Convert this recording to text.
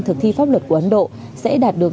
thực thi pháp luật của ấn độ sẽ đạt được